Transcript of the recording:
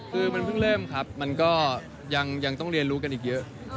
คือมันเพิ่งเริ่มครับมันก็ยังต้องเรียนรู้กันอีกเยอะ